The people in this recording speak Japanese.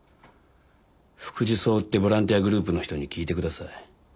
福寿草っていうボランティアグループの人に聞いてください。